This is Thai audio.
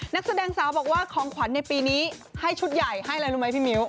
นักแสดงสาวบอกว่าของขวัญในปีนี้ให้ชุดใหญ่ให้อะไรรู้ไหมพี่มิ้ว